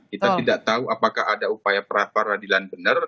kita tidak tahu apakah ada upaya pra peradilan benar